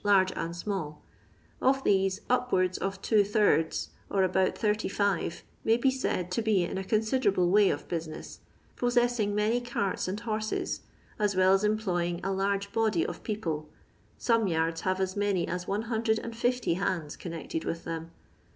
Urge and small ; of these upwards of two thirds, or About 85, may be said to be in a con siderable way of business, possessing many carts and horses, as well as employing a large body of people ; some yards have aa many as 150 hands connected with them.